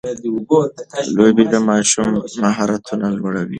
لوبې د ماشوم مهارتونه لوړوي.